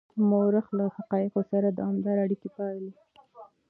مورخ له حقایقو سره دوامداره اړیکه پالي.